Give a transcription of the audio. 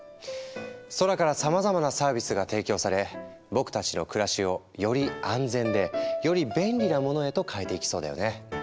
空からさまざまなサービスが提供され僕たちの暮らしをより安全でより便利なものへと変えていきそうだよね。